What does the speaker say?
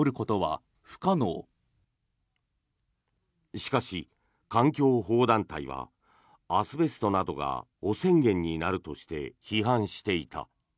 しかし、環境保護団体はアスベストなどが汚染源になるとして批判していた。